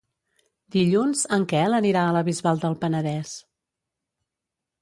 Dilluns en Quel anirà a la Bisbal del Penedès.